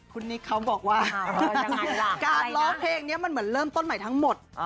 คุณนิกเขาบอกว่าการร้องเพลงนี้มันเหมือนเริ่มต้นใหม่ทั้งหมด